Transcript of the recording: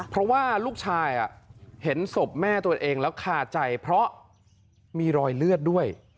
เพราะว่าลูกชายเห็นศพแม่ตัวเองแล้วคาใจเพราะมีรอยเลือดด้วย